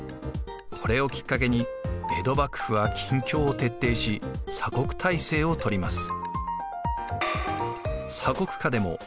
これをきっかけに江戸幕府は禁教を徹底し鎖国体制をとります。